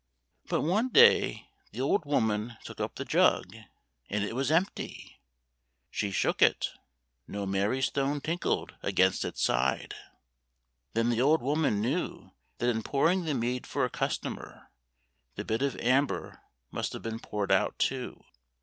But one day the old woman took up the jug — and it was empty! She shook it. No merry stone tinkled against its side. Then the old woman knew that in pour ing the mead for a customer, the bit of amber must have been poured out, too.